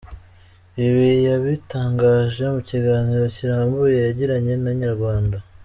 Ibi yabitangaje mu kiganiro kirambuye yagiranye na inyarwanda.